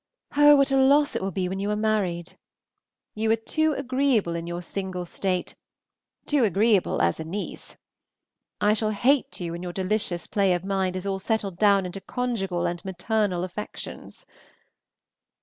Oh, what a loss it will be when you are married! You are too agreeable in your single state, too agreeable as a niece. I shall hate you when your delicious play of mind is all settled down into conjugal and maternal affections.